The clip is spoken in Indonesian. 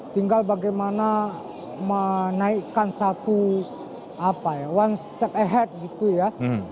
tinggal bagaimana menaikkan satu step ahead gitu ya